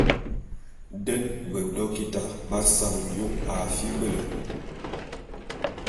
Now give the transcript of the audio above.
Den bedokita b'asal ôyôn a fibele.